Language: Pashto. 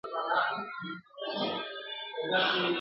د خپل هنر او ضمناً د عقل کمال وښيي !.